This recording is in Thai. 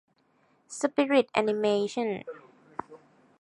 สปิริตแอนิเมชั่น